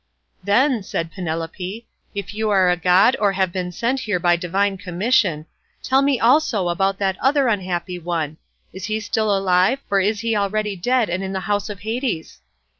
"Then," said Penelope, "if you are a god or have been sent here by divine commission, tell me also about that other unhappy one—is he still alive, or is he already dead and in the house of Hades?"